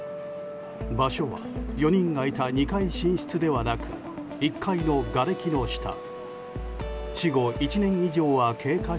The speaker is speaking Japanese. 場所は４人がいた２階寝室ではなく１階のがれきの下。